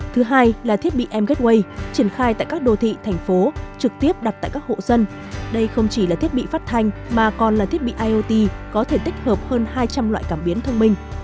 thứ hai là thiết bị m gateway triển khai tại các đô thị thành phố trực tiếp đặt tại các hộ dân đây không chỉ là thiết bị phát thanh mà còn là thiết bị iot có thể tích hợp hơn hai trăm linh loại cảm biến thông minh